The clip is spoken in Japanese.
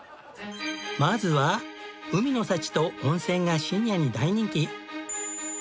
まずは海の幸と温泉がシニアに大人気。